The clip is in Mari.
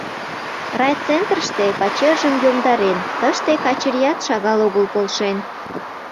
Райцентрыште пачержым йомдарен, тыште Качырият шагал огыл полшен.